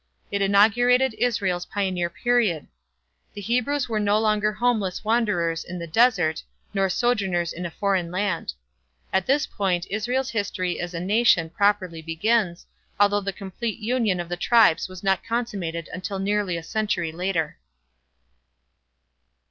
It inaugurated Israel's pioneer period. The Hebrews were no longer homeless wanderers in the desert, nor sojourners in a foreign land. At this point Israel's history as a nation properly begins, although the complete union of the tribes was not consummated until nearly a century later.